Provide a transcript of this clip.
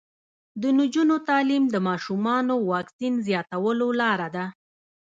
د نجونو تعلیم د ماشومانو واکسین زیاتولو لاره ده.